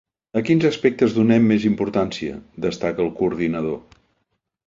A quins aspectes donem més importància? destaca el coordinador.